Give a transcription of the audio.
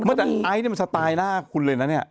แต่ไอซ์เนี่ยมันสไตล์หน้าคุณเลยนะเนี่ย